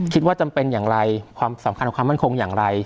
คิดว่าจำเป็นอย่างไรความสำคัญของความมั่นคงอย่างไร